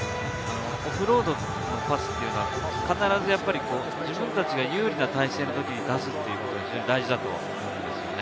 オフロードのパスというのは必ず自分たちが有利な体勢のときに出すということが非常に大事だと思います。